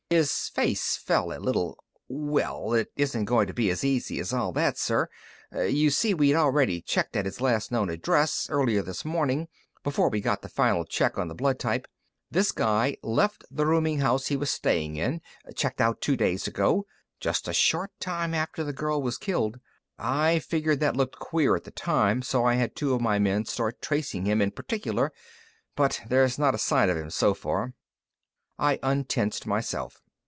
His face fell a little. "Well, it isn't going to be as easy as all that, sir. You see, we'd already checked at his last known address, earlier this morning, before we got the final check on the blood type. This guy left the rooming house he was staying in checked out two days ago, just a short time after the girl was killed. I figured that looked queer at the time, so I had two of my men start tracing him in particular. But there's not a sign of him so far." I untensed myself.